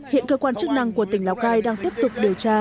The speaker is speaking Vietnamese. hiện cơ quan chức năng của tỉnh lào cai đang tiếp tục điều tra